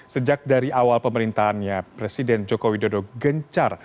sejak dari awal pemerintahannya presiden joko widodo gencar